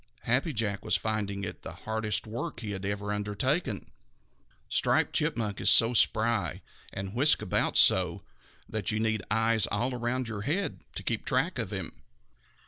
Happy Jack was finding it the hardest work he had ever undertaken. Striped Chipmunk is so spry, and whisks about so, that you need eyes all around your head to keep track of him.